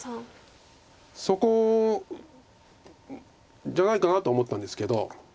そこじゃないかなと思ったんですけど。